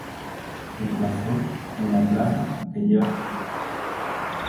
Se emplazó en la Plaza que lleva su nombre.